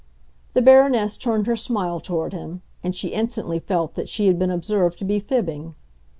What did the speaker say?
The Baroness turned her smile toward him, and she instantly felt that she had been observed to be fibbing.